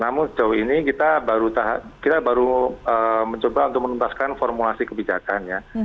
namun sejauh ini kita baru mencoba untuk menuntaskan formulasi kebijakan ya